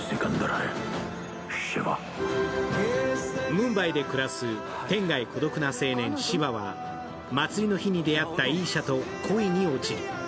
ムンバイで暮らす天涯孤独な青年・シヴァは祭りの日に出会ったイーシャと恋に落ちる。